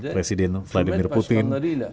presiden vladimir putin